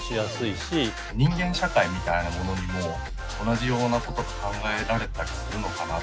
人間社会みたいなものにも同じようなことが考えられたりするのかなって。